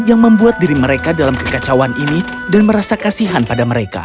yang membuat diri mereka dalam kekacauan ini dan merasa kasihan pada mereka